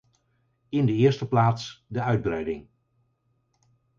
In de eerste plaats de uitbreiding.